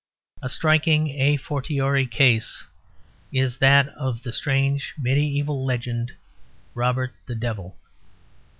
A striking a fortiori case is that of the strange mediæval legend of Robert the Devil.